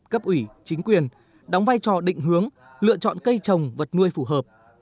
cấp ủy chính quyền đóng vai trò định hướng lựa chọn cây trồng vật nuôi phù hợp